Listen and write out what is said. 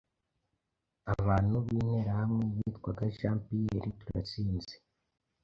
abana b’Interahamwe y’itwaga Jean Pierre Turatsinze